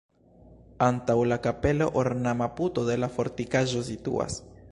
Antaŭ la kapelo ornama puto de la fortikaĵo situas.